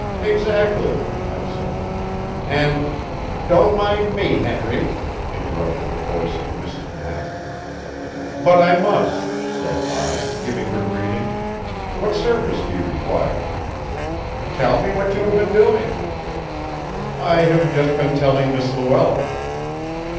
"Exactly," I said. "And " "Don't mind me, Henry," interrupted the voice of Mrs. Knapp. "But I must," said I, giving her greeting. "What service do you require?" "Tell me what you have been doing." "I have just been telling Miss Luella."